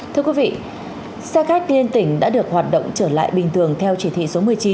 thưa quý vị xe khách liên tỉnh đã được hoạt động trở lại bình thường theo chỉ thị số một mươi chín